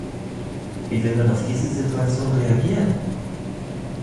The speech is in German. Wie will man auf diese Situation reagieren?